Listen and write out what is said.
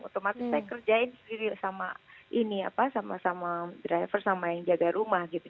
otomatis saya kerjain sendiri sama driver sama yang jaga rumah gitu